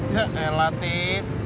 ya elah tis